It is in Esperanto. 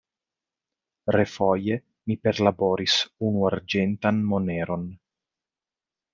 Refoje mi perlaboris unu arĝentan moneron.